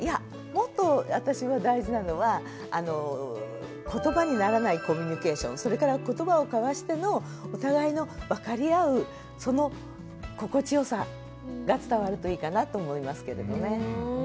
もっと私は大事なのはことばにならないコミュニケーションそれからことばを交わしてのお互いの分かり合うその心地よさが伝わるといいかなと思いますけれどね。